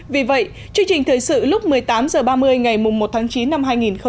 vì vậy chương trình thời sự lúc một mươi tám h ba mươi ngày một tháng chín năm hai nghìn hai mươi